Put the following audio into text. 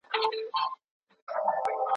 نه له پوندو د آسونو دوړي پورته دي اسمان ته